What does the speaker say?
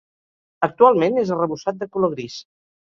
Actualment és arrebossat de color gris.